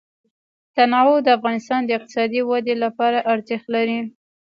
تنوع د افغانستان د اقتصادي ودې لپاره ارزښت لري.